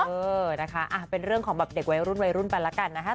เออนะคะเป็นเรื่องของแบบเด็กวัยรุ่นวัยรุ่นไปแล้วกันนะคะ